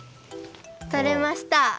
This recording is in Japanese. とれました。